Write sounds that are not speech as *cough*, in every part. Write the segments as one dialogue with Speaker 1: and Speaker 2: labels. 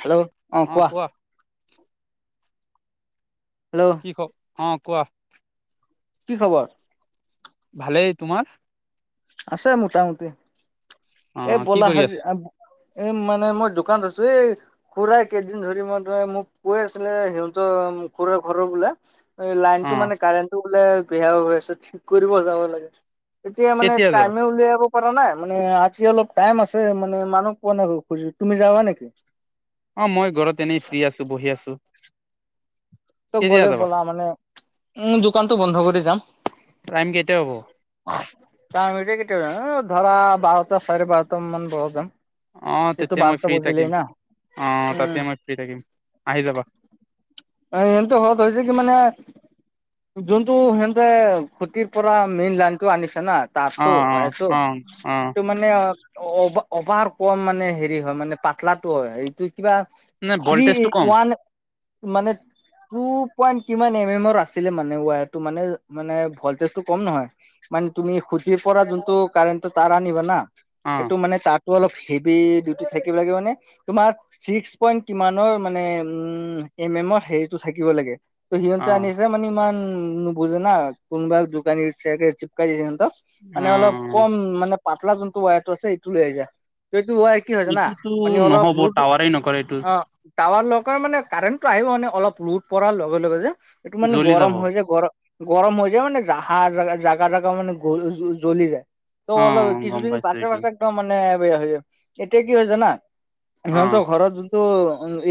Speaker 1: Hello.
Speaker 2: অ কোৱা।
Speaker 1: Hello.
Speaker 2: কি খবৰ অঁ কোৱা।
Speaker 1: কি খবৰ।
Speaker 2: ভালেই তোমাৰ।
Speaker 1: আছে মোটামুটি।
Speaker 2: অ
Speaker 1: এ
Speaker 2: কি
Speaker 1: ব'লা
Speaker 2: কৰি
Speaker 1: হাজি
Speaker 2: আছ
Speaker 1: এ মানে মই দোকানত আছো এই। খুড়া কেইদিন ধৰি মই ত মোক কৈ আছিলে সিহঁত খুড়াৰ ঘৰৰ বোলে।
Speaker 2: অ
Speaker 1: লাইনটো মানে কাৰেণ্টটো বোলে বেয়া হৈ আছে ঠিক কৰিব যাব লাগে। এতিয়া মানে
Speaker 2: কেতিয়া যাবা
Speaker 1: টাইমে উলিয়াব পৰা নাই মানে। অলপ টাইম আছে মানে মানুহ পোৱা নাই খুজি তুমি যাবা নেকি।
Speaker 2: অ মই ঘৰত এনেই ফ্ৰী আছো বহি আছো।
Speaker 1: ত
Speaker 2: কেতিয়া
Speaker 1: গ'লে
Speaker 2: যাবা
Speaker 1: বলা মানে উম দোকানটো বন্ধ কৰি যাম।
Speaker 2: টাইম কেতিয়া হ'ব
Speaker 1: তা আগতে কেতিয়া জাবা ধৰা বাৰটা চাৰে বাৰটা মান বজাত যাম।
Speaker 2: অ
Speaker 1: যিহেতু
Speaker 2: তেতিয়া মই
Speaker 1: বাৰটা
Speaker 2: ফ্ৰী
Speaker 1: বজিলেই
Speaker 2: থাকিম
Speaker 1: না
Speaker 2: অ
Speaker 1: উম
Speaker 2: তাতে মই ফ্ৰী থাকিম আহি যাবা।
Speaker 1: এ এমটো হত হৈছে কি মানে। যোনতটো সিহঁতে খুতিৰ পৰা মেইন লাইনতটো আনিছে না।
Speaker 2: অ
Speaker 1: তাছতো
Speaker 2: অ
Speaker 1: হোৱাইছো
Speaker 2: অ অ
Speaker 1: সেইটো মান। মানে অ অভাৰ কম মানে হেৰি হয় মানে পাতলাটো হয় সেইটো। কিবা
Speaker 2: নে
Speaker 1: থ্ৰী
Speaker 2: ভল্টেজটো কম
Speaker 1: ওৱান মানে। টু পইন্ট কিমান এম এমৰ আছিলে মানে ৱায়টো মানে মানে ভলটেজটো কম নহয়। মানে তুমি খুতিৰ পৰা যোনটো কাৰেণ্টটো তাঁৰ আনিবা না
Speaker 2: অ
Speaker 1: এইটো মানে তাঁৰটো অলপ হেভি। দি ডিউটিত থাকিবাগে মানে। তোমাৰ ছিক্স পইন্ট কিমানৰ মানে উ এম এমৰ হেৰিতো থাকিব লাগে। ত
Speaker 2: অ
Speaker 1: সিহঁতে আনিছে মানে ইমান নুবুজে না কোনোবা দোকানীয়ে চাগে চিপকাই দিছে ন সিহঁতক।
Speaker 2: অ
Speaker 1: মানে অলপ কম মানে পাতলা যোনটো ৱাট আছে সেইটো লৈ আহ যা। সেইটো ৱাৰ কি হয় জানা
Speaker 2: এইটোতো
Speaker 1: মানে অলপ
Speaker 2: নহ'ব
Speaker 1: লোড।
Speaker 2: টাৱাৰে নকৰে এইটো
Speaker 1: টাৱাৰ লগ মানে কাৰেণ্টটো আহিব মানে অলপ লোট পৰাৰ লগে লগে যে। এইটো মানে
Speaker 2: জ্বলি যাব
Speaker 1: গৰম হৈ যায় গৰম। গৰম হৈ যায় মানোহ জ জাগা জাগা মানে জ্বলি যায়। ত'
Speaker 2: অ
Speaker 1: অলপ
Speaker 2: গম
Speaker 1: কিছুদিন
Speaker 2: পাইছো
Speaker 1: পাছে
Speaker 2: এইটো
Speaker 1: পাছে। ত মানে এতিয়া কি হৈ হৈছে না
Speaker 2: অ
Speaker 1: সিহঁতৰ ঘৰত। ত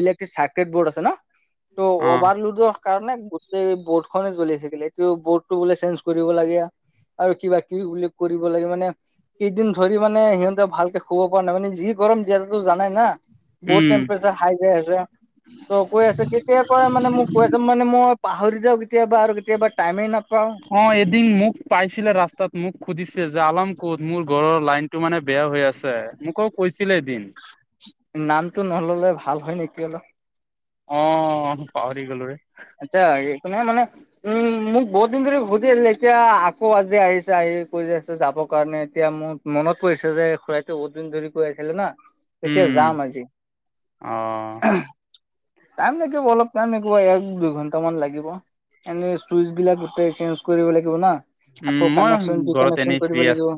Speaker 1: ইলেক্ট্ৰিক চাৰ্কেট বোৰ্ড আছে ন ত'
Speaker 2: অ
Speaker 1: অভাৰলুডো। কাৰণে গোটেই বৰ্ড খনে জ্বলি থাকিলে এইটো বৰ্ডটো বোলে চেঞ্জ কৰিব লাগে আ। আৰু কিবা কিবি বুলি কৰিব লাগে মানে কেইদিন ধৰি মানে সিহঁতে ভালকে। ক'ব পৰা নাই মানে যি গৰম দিয়াতোটো জানাই না। বহুত
Speaker 2: উম
Speaker 1: টেম্পপেচাৰ হাই যাই আছে ত' কৈ আছে কেতিয়া কয় মানে মোক। কৈ আছে মানে মই পাহৰি যাওঁ কেতিয়াবা আৰু কেতিয়াবা টাইমেই নাপাওঁ।
Speaker 2: অঁ এদিন মোক পাইছিলে ৰাস্তাত মোক সুধিছে যে আলাৰ্ম ক'ত মোৰ ঘৰৰ লাইন টো মানে বেয়া হৈ আছে। মোকো কৈছিলে এদিন।
Speaker 1: নামটো নল'লে ভাল হয় নেকি অলপ।
Speaker 2: অঁ পাহৰি গ'লো ৰে।
Speaker 1: আচ্ছা একো নহয় মানে উম মোক বহুত দিন ধৰি সুধি আছিল এতিয়া আকৌ আজি আহিছে আহি কৈ আছে যাবৰ কাৰণে এতিয়া মোৰ মনত পৰিছে যে খুৰাইতো বহুত দিন ধৰি কৈ আছিলে না। তেতিয়া
Speaker 2: উম
Speaker 1: যাম আজি।
Speaker 2: অ
Speaker 1: *unintelligible* টাইম লাগিব, অলপ টাইম এক দুই ঘন্টামান লাগিব এনেই চুইচ বিলাক গোটেই চেঞ্জ কৰিব লাগিব না।
Speaker 2: উম
Speaker 1: আকৌ
Speaker 2: মই
Speaker 1: কানেকচন
Speaker 2: ঘৰত
Speaker 1: ডিকানেকচন
Speaker 2: এনেই
Speaker 1: কৰিব
Speaker 2: ফ্ৰী আছো
Speaker 1: লাগিব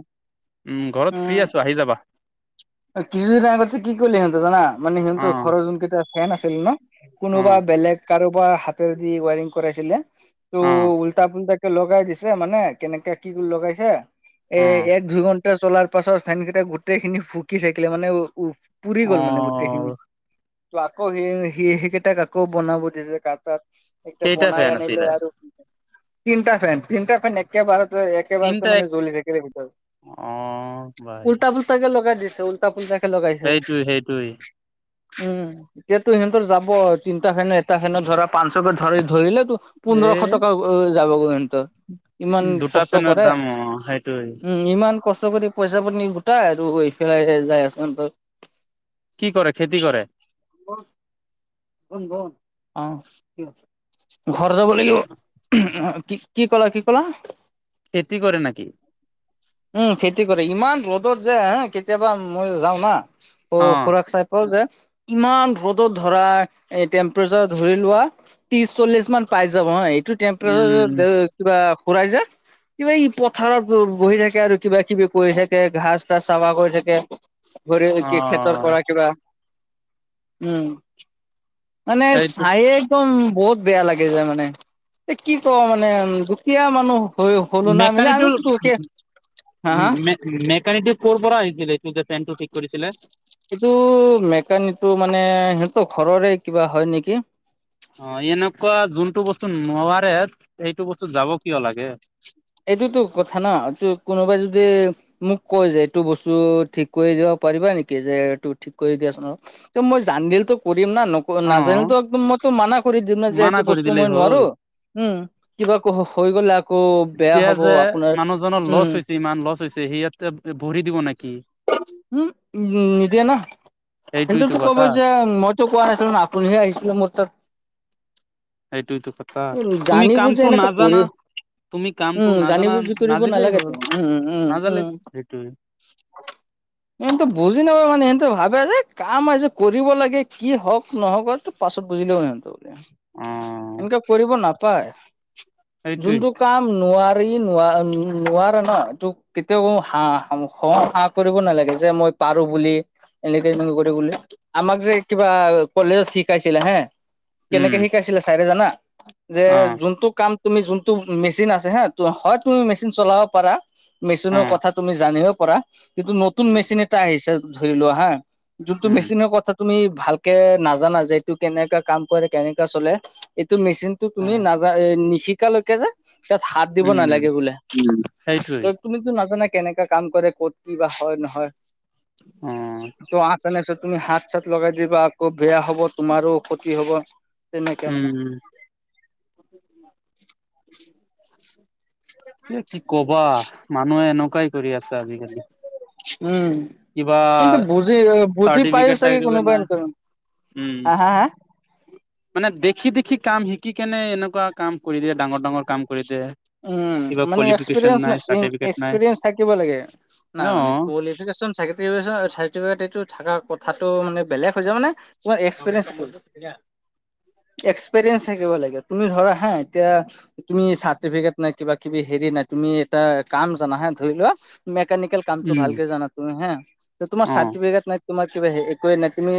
Speaker 2: উম ঘৰত ফ্ৰী
Speaker 1: উম।
Speaker 2: আছো আহি যাবা
Speaker 1: কিছুদিন আগততে কি কৰিলে সিহঁতে জানা মানে
Speaker 2: অ
Speaker 1: সিহঁতৰ ঘৰৰ যোন কেইটা ফেন আছিলে ন
Speaker 2: অ
Speaker 1: কোনোবা বেলেগ কাৰোবাৰ হাতেৰে দি ৱাইৰিং কৰাইছিলে ত
Speaker 2: অ
Speaker 1: ওলটা পোলতাকে লগাই দিছে মানে কেনেকে কি কৰি লগাইছে এ
Speaker 2: অ
Speaker 1: এক দুইঘণ্টা চলাৰ পাছত ফেনকেইটা গোটেইখিনি ফুকি থাকিলে মানে পুৰি
Speaker 2: অ
Speaker 1: গ'ল মানে গো গোটেইখিনি ত আকৌ সেই সি সেইকেইটাক আকৌ বনাব দিছে কাৰ তাত। এতিয়া
Speaker 2: কেইটা
Speaker 1: বনাই
Speaker 2: ফেন
Speaker 1: আনিল
Speaker 2: আছিলে
Speaker 1: আৰু তিনিটা ফেন তিনটা ফেন এক একেবাৰতে একেবাৰতে
Speaker 2: তিনটা
Speaker 1: মানে
Speaker 2: এক
Speaker 1: জ্বলি থাকিলে ভিতৰত
Speaker 2: অ ভাই
Speaker 1: উলটা পোল তাকে লগাই দিছে উল্টা - পুল্টাকে লগাইছে।
Speaker 2: সেইটো সেইটোৱে
Speaker 1: উম, এতিয়াতো সিহঁতৰ যাব তিনিটা ফেন এটা ফেনত ধৰা পাচঁশ কে ধৰি ধৰিলেতো
Speaker 2: এ
Speaker 1: পোন্ধৰশ টকা ঐ যাব গৈ সিহঁতৰ ইমান
Speaker 2: দুটা
Speaker 1: কষ্ট
Speaker 2: পেনৰ
Speaker 1: কৰে
Speaker 2: দাম অ সেইটোৱে
Speaker 1: উম ইমান কষ্ট কৰি পইচা পাতি গোটাই আৰু এইফালে যাই আছে।
Speaker 2: কি কৰে খেতি কৰে?
Speaker 1: অঁ *unintelligible* ঘৰ যাব লাগিব। কি কি ক'লা কি কলা?
Speaker 2: খেতি কৰে নেকি?
Speaker 1: উম, খেতি কৰে ইমান ৰ'দত যে হা কেতিয়াবা মই যাও না অ' খুৰাক চাই পাওঁ যে ইমান ৰ'দত ধৰা এই টেম্পাৰেচাৰ ধৰি লোৱা ত্ৰিশ - চল্লিশ মান পাই যাব হা এইটো তেম্প্ৰেচাৰ দ্ৰে
Speaker 2: উম
Speaker 1: দে কিবা খুৰাই যে কিবা ই পথাৰত বহি থাকে আৰু কিবা কিবি কৰি থাকে আৰ ঘাছ - তাচ চাফা কৰি থাকে। ঘৰিৰ কি খেতৰ
Speaker 2: অ
Speaker 1: পৰা কিবা। উম মানে
Speaker 2: এইটো
Speaker 1: চাইয়ে একদম বহুত বেয়া লাগি যায় মানে এ কি কম মানে দুখীয়া মানুহ হৈ হ'লো ন আমি ন
Speaker 2: মেকানিটো
Speaker 1: আমি তো হা হা
Speaker 2: মেকানিকটো ক'ৰ পৰা আহিছিলে এইটো যে ফেনটো ঠিক কৰিছিলে?
Speaker 1: এইটো মেকানিকটো মানে সিঁহতৰ ঘৰৰে কিবা হয় নেকি।
Speaker 2: অ' এনেকুৱা যোনটো বস্তু নোৱাৰে সেইটো বস্তু যাব কিয় লাগে?
Speaker 1: এইটোতো কথা ন' ত কোনোবাই যদি মোক কয় যে এইটো বস্তু ঠিক কৰি দিব পাৰিবা নেকি? যে এইটো ঠিক কৰি দিয়াচোন অলপ। ত মই জানদিল তো কৰিম না নক
Speaker 2: অ
Speaker 1: নাজানিলেটো একদম মইতো মানা কৰি দিম না যে
Speaker 2: মানা
Speaker 1: এইটো
Speaker 2: কৰি
Speaker 1: বস্তু
Speaker 2: দিলেই
Speaker 1: মই
Speaker 2: হ'ল
Speaker 1: নোৱাৰো উম কিবা হৈ গ'লে আকৌ বেয়া
Speaker 2: এতিয়া
Speaker 1: হ'ব
Speaker 2: যে
Speaker 1: আপোনাৰ
Speaker 2: মানুহজনৰ
Speaker 1: উম
Speaker 2: লচ হৈছে ইমান লছ হৈছে সি ইয়াতে ভৰি দিব নেকি?
Speaker 1: হু ম উ নিদিয়ে না
Speaker 2: সেইটোইতো
Speaker 1: সেনতেতো কব
Speaker 2: কথা
Speaker 1: যে মই কোৱা নাআছিলো নহয় আপুনিহে আহিছিলে মোৰ তাত
Speaker 2: সেইটোইতো কথা
Speaker 1: আন
Speaker 2: তুমি
Speaker 1: জানি বোজি
Speaker 2: কামটো
Speaker 1: এনেকাে
Speaker 2: নাজানা
Speaker 1: কৰিও
Speaker 2: তুমি কামটো
Speaker 1: উম
Speaker 2: নাজানা
Speaker 1: জানিব বুজি কৰিব
Speaker 2: নাজিলেই
Speaker 1: নালাগে
Speaker 2: হ'ল
Speaker 1: উম উম
Speaker 2: নাজালে
Speaker 1: উম *inaudible*
Speaker 2: সেইটোৱে
Speaker 1: সিহঁতে বুজি নাপায় মানে সিহঁতে ভাবে যে কাম আছে কৰিব লাগে কি হওক নহওক। পাছত বুজিলেও সিহঁতে
Speaker 2: অ
Speaker 1: এনেকে কৰিব নাপায়
Speaker 2: সেইটোৱে
Speaker 1: যোনটো কাম নোৱাৰি নোৱাৰ নোৱাৰে ন এইোক কেতিয়াও ক হাহ হ *unintelligible* কৰিব নালাগে যে মই পাৰো বুলি এনেকে কৰিলে আমাক যে কিবা কলেজত শিকাইছিলে হে
Speaker 2: উম,
Speaker 1: কি শিকাইছিল চাৰে জনা যে
Speaker 2: অ
Speaker 1: জোনটো কাম তুমি যোনটো মেচিন আছে হা হয় তুমি মেচিন চলাব পাৰা। মেচিনৰ
Speaker 2: অ
Speaker 1: কথা তুমি জানিব পাৰা কিন্তু নতুন
Speaker 2: অ
Speaker 1: মেচিন এটা আহিছে ধৰি লোৱা হা যোনটো
Speaker 2: উম
Speaker 1: মেচিনৰ কথা তুমি ভালকে নাজানা যে এইটো কেনেকা কাম কৰে কেনেকা চলে এইটো মেচিন টো
Speaker 2: অ
Speaker 1: তুমি নাযা এ নিশিকালৈকে যে তাত হাত দিব
Speaker 2: উম
Speaker 1: নালাগে বোলে
Speaker 2: সেইটোৱে
Speaker 1: তুমিতো নাজানা কেনেকা কাম কৰে ক'ত কি বা হয় নহয়
Speaker 2: উম
Speaker 1: *unintelligible* তুমি হাত চাত লগাই দিবা আকৌ বেয়া হব তোমাৰো ক্ষতি হব তেনেকে মানে
Speaker 2: উম কি কবা মানুহে এনেকুৱাই কৰি আছে আজিকালি
Speaker 1: উম
Speaker 2: কিবা
Speaker 1: কিন্তু বুজি বুজি পাইোয়ো
Speaker 2: চাৰ্টিফিকেট
Speaker 1: চাগে
Speaker 2: টাৰ্টিফিকেট
Speaker 1: কোনোবাই
Speaker 2: নাই, উম।
Speaker 1: হা হা হা
Speaker 2: মানে দেখি দেখি কাম শিকি কেনে এনেকুৱা কাম কৰি দিয়ে ডাঙৰ ডাঙৰ কাম কৰি দিয়ে।
Speaker 1: উম
Speaker 2: কিবা
Speaker 1: মানে
Speaker 2: কোৱালিফিকেশ্যন নাই,
Speaker 1: এক্সপিৰিয়েঞ্চ
Speaker 2: চাৰ্টিফিকেট নাই,
Speaker 1: এক্সপিৰিয়েঞ্চ থাকিব লাগে নাই মানে
Speaker 2: অ',
Speaker 1: কোৱালিফিকেশন চাগে *unintelligible* মানে বেলেগ হৈ যায় মানে এক্সপিৰিয়েঞ্চ এক্সপিৰিয়েঞ্চ থাকিব লাগে তুমি ধৰা হা এতিয়া তুমি চাৰ্টিফিকেট নাই কিবা কিবি হেৰি নাই তুমি এটা কাম জানা হে ধৰি লোৱা মেকানিকেল কামটো
Speaker 2: উম,
Speaker 1: ভালকে জানা তুমি হা তোমাৰ
Speaker 2: অ',
Speaker 1: চাৰ্টিফিকেট নাই তোমাৰ কিবা হ একোৱে নাই তুমি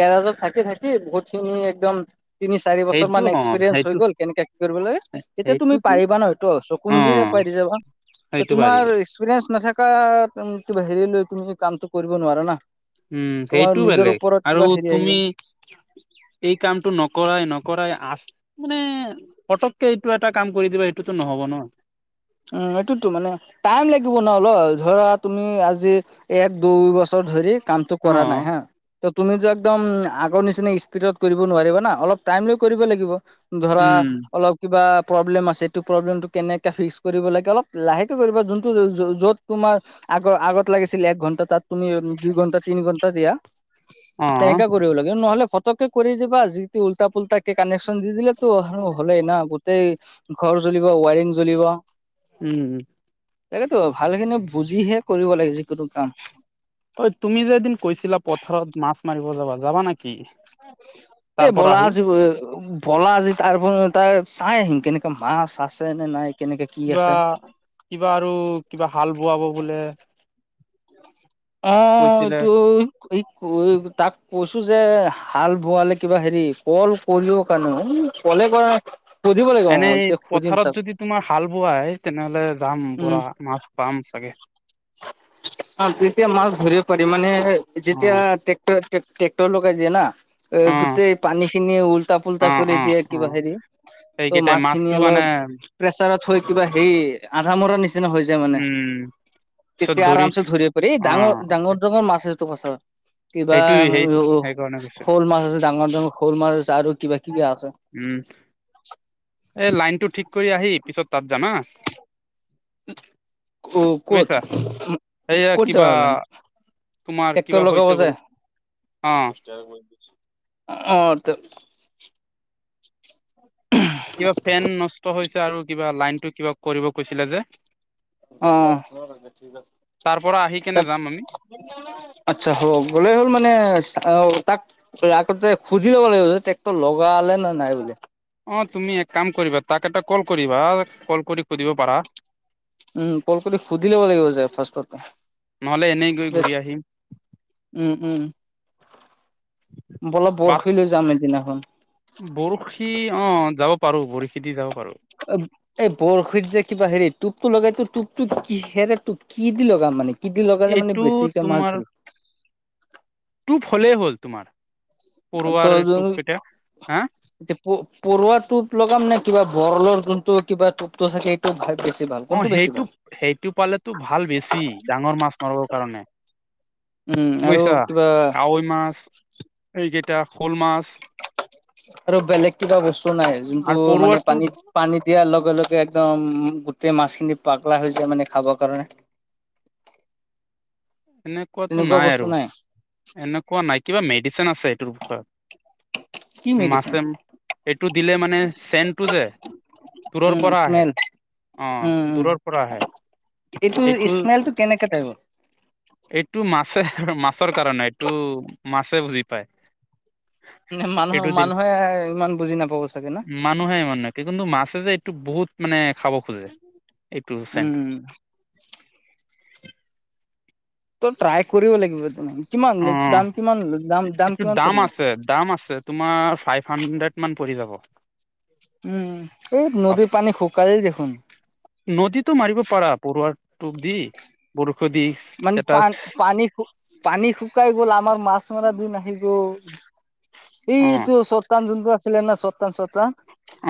Speaker 1: গেৰাজত থাকি থাকি বহুত খিনি একদম তিনি চাৰি
Speaker 2: সেইটো
Speaker 1: বছৰমান
Speaker 2: অ',
Speaker 1: এক্সপিৰিয়েঞ্চ হৈ
Speaker 2: সেইটো
Speaker 1: গ'ল কেনেকৈ কি কৰিব লাগে তেতিয়া তুমি
Speaker 2: সেইটোতো
Speaker 1: পাৰিবা ন সটো চকু মিলি
Speaker 2: অ',
Speaker 1: *unintelligible* যাবা
Speaker 2: সেইটো পাৰিব,
Speaker 1: তোমাৰ এক্সপিৰিয়েঞ্চ নাথাকা বাহিৰলৈ তুমি কামটো কৰিব নোৱাৰা না
Speaker 2: উম
Speaker 1: তোমাৰ
Speaker 2: সেইটো
Speaker 1: নিজৰ
Speaker 2: বেলেগ
Speaker 1: ওপৰত
Speaker 2: আৰু
Speaker 1: কিবা হেৰি আহি যায়
Speaker 2: তুমি এই কামটো নকৰাই নকৰাই আ মানে পটককে এইটো এটা কাম কৰি দিবা এইটোতো নহব ন
Speaker 1: উম এইটোতো মানে টাইম লাগিব ন অলপ ধৰা তুমি আজি এক দুই বছৰ ধৰি কামটো কৰা নাই
Speaker 2: অ',
Speaker 1: হা তুমিতো একদম আগৰ নিচিনা স্পীডত কৰিব নোৱাৰিবা না অলপ টাইম লৈ কৰিব লাগিব ধৰা
Speaker 2: উম,
Speaker 1: অলপ কিবা প্ৰব্লেম আছে প্ৰব্লেমটো কেনেকে কৰিব লাগে অলপ লাহেকে কৰিব যোনটো য'ত তোমাৰ আগ আগত লাগিছিল এক ঘন্টা তাত তুমি দুই ঘন্টা তিনি ঘন্টা দিয়া
Speaker 2: অ'।
Speaker 1: তেনেকা কৰিব লাগে নহলে পতককে কৰি দিবা যি উল্টা পুল্টা কে কানেক্যন দি দিলে তো হলেই না গোটেই ঘৰ জ্বলিব ৱাইাৰিং জলিব
Speaker 2: উম
Speaker 1: তাকেতো ভালখিনি বুজিহে কৰিব লাগে যিকোনো কাম
Speaker 2: অ তুমি যে এদিন কৈছিলা পথাৰত মাছ মাৰিব যাবা যাবা নেকি তাৰ
Speaker 1: এই
Speaker 2: পৰা
Speaker 1: বলা
Speaker 2: আহি
Speaker 1: আজি বৈ বলা আজি তাৰপৰা চা চাই আহিম কেনেকে মাছ আছে নে নাই কেনেকে কি
Speaker 2: কিবা
Speaker 1: আছে।
Speaker 2: কিবা আৰু কিবা হাল বোৱাব বোলে
Speaker 1: অ
Speaker 2: কৈছিলে।
Speaker 1: এইটো তাক কৈছো যে হাল বোৱালে কিবা হেৰি কল কলো কানাই কলে কৰা সুধিব লাগিব অ
Speaker 2: এনেই
Speaker 1: এতিয়া সুধিম
Speaker 2: পথাৰত
Speaker 1: চাও
Speaker 2: যদি তোমাৰ হাল বোৱাই তেনেহলে যাম
Speaker 1: উম।
Speaker 2: পুৰা মাছ পাম চাগে
Speaker 1: অ' তেতিয়া মাছ ধৰিব পাৰি মানে যেতিয়া
Speaker 2: অ',
Speaker 1: ট্ৰেক্টৰ টেক ট্ৰেক্টৰ লগাই দিয়ে না এ
Speaker 2: অ',
Speaker 1: গোটেই পানীখিনি উল্টা পুল্টা
Speaker 2: অ',
Speaker 1: কৰি
Speaker 2: অ',
Speaker 1: দিয়ে কিবা
Speaker 2: অ',
Speaker 1: হেৰি ত'
Speaker 2: সেইকেইটাই
Speaker 1: মাছখিনি
Speaker 2: মাছটো মানে
Speaker 1: অলপ প্ৰেচাৰত থৈ কিবা হেৰি আধা মৰা নিচিনা হৈ যা
Speaker 2: উম পিছত
Speaker 1: তেতিয়া
Speaker 2: ধৰি
Speaker 1: আৰামচে ধৰিব পাৰি ডাঙৰ
Speaker 2: অ',
Speaker 1: ডাঙৰটো ডাঙৰ মাছ আছেতো পথাৰত কিবা
Speaker 2: সেইটো সেই সেইকাৰণে কৈছো।
Speaker 1: শ'ল মাছ আছে ডাঙৰ ডাঙৰ শল মাছ আছে আৰু কিবা কিবি আছে
Speaker 2: উম এ লাইনটো ঠিক কৰি আহি পিছত তাত যামা হা
Speaker 1: অ ক'ত
Speaker 2: বুজিছা। এইয়া
Speaker 1: ক'ত
Speaker 2: কিবা
Speaker 1: যাবা ওলালি
Speaker 2: তোমাৰ কিবা হৈছে বোলে অ'।
Speaker 1: দহ টকা কৰি দি অ ত *inaudible*
Speaker 2: কিবা ফেন নষ্ট হৈছে আৰু কিবা লাইনটো কিবা কৰিব কৈছিলে যে
Speaker 1: উম
Speaker 2: তাৰ পৰা আহি কেনে
Speaker 1: তেত
Speaker 2: যাম আমি
Speaker 1: আচ্ছা হ'ব গ'লে হ'ল মানে অহ তাক তই আগতে সুধি ল'ব লাগিব যে ট্ৰেক্টৰ লগালে নে নাই বোলে
Speaker 2: অ তুমি এক কাম কৰিবা তাক এটা কল কৰিবা কল কৰি সুধিব পাৰা
Speaker 1: উম কল কৰি সুধি ল'ব লাগিব যে ফাৰ্ষ্টতে
Speaker 2: নহলে এনেই গৈ ঘূৰি
Speaker 1: য়েছ
Speaker 2: আহিম
Speaker 1: উম উম বলক
Speaker 2: বাট
Speaker 1: বৰশি লৈ যাম এদিনাখন
Speaker 2: বৰশী অ যাব পাৰো বৰশী দি যাব পাৰো
Speaker 1: অ এই বৰশীত যে কিবা হেৰি টোপটো লগাইতো টোপটোক কিহেৰে টোপ কিহেদি লগাই মানে কিদি লগালে মানে
Speaker 2: এইটো
Speaker 1: বেছিকে মাছ
Speaker 2: তোমাৰ
Speaker 1: ধৰিব
Speaker 2: টোপ হলেই হ'ল তোমাৰ পৰুৱাৰ টোপকেইটা হা
Speaker 1: এতিয়া পৰুৱা টোপ লগাম নে কিবা বৰলৰ যোনটো কিবা টোপটো থাকে টো ভাল বছি ভাল
Speaker 2: অ
Speaker 1: কোনটো বেছি
Speaker 2: সেইটো
Speaker 1: ভাল
Speaker 2: সেইটো পালেতো ভাল বেছি ডাঙৰ মাছ মাৰবৰ কাৰণে
Speaker 1: উম আৰু
Speaker 2: বুজিছা
Speaker 1: কিবা
Speaker 2: কাৱৈ মাছ এইকেইটা শোল মাছ
Speaker 1: আৰু বেলেগ কিবা বস্তু নাই
Speaker 2: আৰু
Speaker 1: যোনটো মানে
Speaker 2: পৰুৱাটো
Speaker 1: পানীত পানীত দিয়াৰ লগে লগে একদম গোটেই মাছখিনি পাগলা হৈ যায় মানে খাবৰ কাৰণে *inaudible*
Speaker 2: এনেকোৱাতো
Speaker 1: তেনেকুৱা
Speaker 2: নাই
Speaker 1: বস্তু
Speaker 2: আৰু এনেকোৱা নাই কিবা মেডিচিন আছে এইটোৰ বিষয়ত
Speaker 1: কি মেডিচিন
Speaker 2: মাছে এইটো দিলে মানে চেনটো যে দূৰৰ
Speaker 1: উম
Speaker 2: পৰা আহে
Speaker 1: স্মেল
Speaker 2: অ
Speaker 1: উম উম
Speaker 2: দূৰৰ পৰা আহে
Speaker 1: এইটো স্মেলটো কেনেকে পাই গল
Speaker 2: এইটো মাছে মাছৰ কাৰণে এইটো মাছে বুজি পায়।
Speaker 1: নে মানুহে
Speaker 2: এইটো দিলে
Speaker 1: মানুহে ইমান বুজি নাপাব চাগে না,
Speaker 2: মানুহে মানে কিন্তু মাছে যে এইটো বহুত মানে খাব খোজে এইটো চেনট,
Speaker 1: উম। ট্ৰাই কৰিব লাগিব তুমি কিমান
Speaker 2: অ
Speaker 1: দাম কিমান দাম দাম
Speaker 2: এইটো
Speaker 1: কিমান পৰিব?
Speaker 2: আছে দাম আছে। তোমাৰ ফাইভ হানড্ৰেট মান পৰি যাব।
Speaker 1: উম সেই নদীৰ পানী শুকালে দেখোন।
Speaker 2: নদীতো মাৰিব পাৰা পৰুৱাৰ টোপ দি, বৰশী দি
Speaker 1: মানে পা
Speaker 2: এটা,
Speaker 1: পানী শু পানী শুকাই গ'ল, আমাৰ মাছ মৰা দিন আহি গ'ল। এইটো
Speaker 2: অ
Speaker 1: এইটো চতকান যোনটো আছিলে ন! চতকান, চতকা।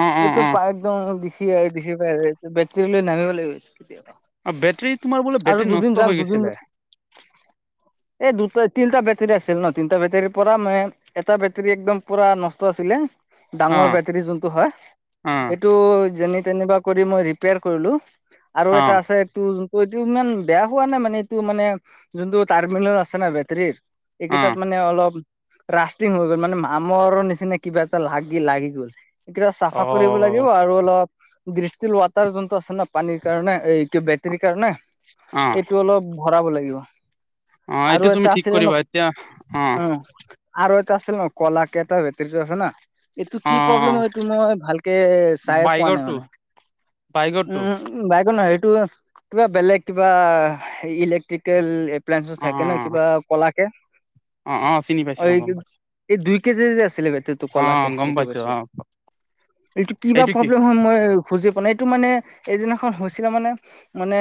Speaker 2: অ অ
Speaker 1: এইটো
Speaker 2: অ
Speaker 1: পাইপ, একদম দেখিয়ে, দেখি পাই আছে এইটো, বেটেৰী লৈ নামিব লাগিব কেতিয়াবা।
Speaker 2: অ বেটেৰী, তোমাৰ বোলে
Speaker 1: আৰু
Speaker 2: বেটেৰী
Speaker 1: দুদিন
Speaker 2: নষ্ট
Speaker 1: যাক
Speaker 2: হৈ
Speaker 1: দুদিন
Speaker 2: গৈছিলে?
Speaker 1: এই দুটা তিনিটা বেটাৰী আছিল ন তিনিটা বেটাৰীৰ পৰা নাই, এটা বেটাৰী একদম পুৰা নষ্ট আছিলে।
Speaker 2: অ
Speaker 1: ডাঙৰ বেটাৰী যোনটো হয়
Speaker 2: অ
Speaker 1: সেইটো যেনি তেনি বা, কৰি মই ৰিপেয়াৰ কৰিলো আৰু
Speaker 2: অ
Speaker 1: এটা আছে। টো যোনটো এইটো ইমান বেয়া হোৱা নাই মানে এইটো মানে যোনটো টাৰ্মিনেল আছে না বেটাৰীৰ,
Speaker 2: অ
Speaker 1: এইকেইটাত মানে অলপ, ৰাষ্টিং হৈ গ'ল মানে, মামৰ নিচিনা কিবা এটা লাগি, লাগি গ'ল। এইকেইটা চাফা
Speaker 2: অ
Speaker 1: কৰিব লাগিব। আৰু অলপ, দৃষ্টিল ৱাটাৰ যোনটো আছে ন পানীৰ কাৰণে, এইটো বেট, বেটেৰীৰ কাৰনে,
Speaker 2: অ
Speaker 1: এইটো অলপ ভৰাব লাগিব।
Speaker 2: অ
Speaker 1: আৰু
Speaker 2: এইটো তুমি
Speaker 1: এটা
Speaker 2: ঠিক
Speaker 1: আছিলে ন,
Speaker 2: কৰিবা এতিয়া অ
Speaker 1: উম আৰু এটা আছিল ন, কলাকে এটা বেটেৰীটো আছে ন। এইটো
Speaker 2: অ
Speaker 1: কি প্ৰব্লেম হয়, এইটো মই ভালকে চাই পোৱা নাই মানে।
Speaker 2: বাইকৰটো?
Speaker 1: উম বাইকৰ নহয়। এইটো কিবা বেলেগ কিবা ইলেক্ট্ৰিক। কেল এপ্লেঞ্চ
Speaker 2: অ
Speaker 1: থাকে ন কিবা কলাকে,
Speaker 2: অ, অ, চিনি পাইছোঁ। অ, গম পাইছোঁ।
Speaker 1: কি দুই কেজি‌য়ে যেই আছিলে বেটেৰী, এইটো কলাকে,
Speaker 2: গম
Speaker 1: এইটো
Speaker 2: পাইছো
Speaker 1: কৈছোঁ।
Speaker 2: অ
Speaker 1: এইটো কি বা প্ৰব্লেম হয় মই, বুজি পোৱা নাই। এইটো মানে এদিনাখন হৈছিলে মানে, মানে,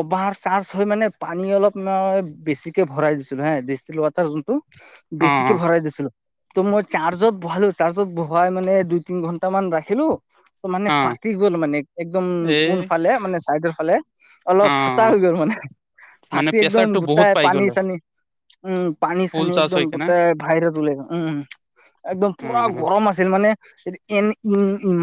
Speaker 1: অভাৰ চাৰ্জ হয় মানে, পানী অলপ মই বেছিকে ভৰাই দিছিলোঁ হে। দৃষ্ট্ৰিল ৱাটাৰ যোনটো,
Speaker 2: অ
Speaker 1: বেছিকে ভৰাই দিছিলোঁ। ত' মই চাৰ্জত বহালো। চাৰ্জত বহুৱাই মানে দুই তিনি ঘন্টামান ৰাখিলোঁ, ত' মানে,
Speaker 2: অ
Speaker 1: ফাটি গ'ল মানে, একদম
Speaker 2: এই
Speaker 1: কোন ফালে মানে, চাইডৰ ফালে।
Speaker 2: অ
Speaker 1: অলপ ফুটা হৈ গ'ল মানে,
Speaker 2: মানে
Speaker 1: ফাটি একদম
Speaker 2: প্ৰেচাৰটো বহুত
Speaker 1: গোটাই
Speaker 2: পাই
Speaker 1: পানী
Speaker 2: গ'লে
Speaker 1: চানী, উম পানী
Speaker 2: ফুল
Speaker 1: চানী
Speaker 2: চাৰ্জ
Speaker 1: একদম
Speaker 2: হৈ কেনে
Speaker 1: গোটেই বাহিৰত ওলাই গ'ল। উম উম, একদম
Speaker 2: অ
Speaker 1: পুৰা
Speaker 2: অ
Speaker 1: গৰম আছিল মানে, এন ইম ইমা